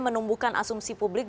menumbuhkan asumsi publik